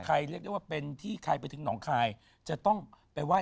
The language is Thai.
เรียกได้ว่าเป็นที่ใครไปถึงหนองคายจะต้องไปไห้